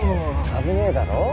危ねえだろ。